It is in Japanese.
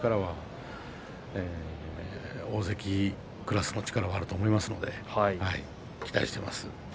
大関クラスの力はあると思いますので期待しています。